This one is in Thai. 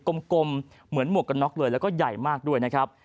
กลมเหมือนหมวกกันน็อกเลยแล้วก็ใหญ่มากด้วยนะครับ